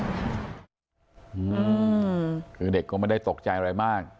อืมคือเด็กก็ไม่ได้ตกใจอะไรมาก